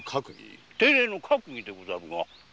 定例の閣議でござるが何か？